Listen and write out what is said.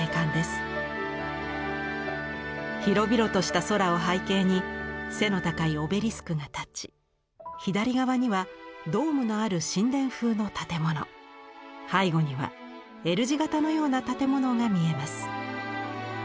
広々とした空を背景に背の高いオベリスクが立ち左側にはドームのある神殿風の建物背後にはＬ字型のような建物が見えます。